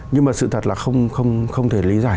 nhưng mà sự thật là không thể lý giải